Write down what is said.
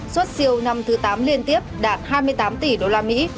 xuất siêu năm thứ tám liên tiếp đạt hai mươi tám tỷ đô la mỹ